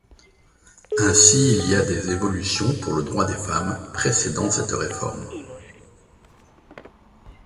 Ainsi il y a des évolutions pour le droits des femmes précédant cette réforme.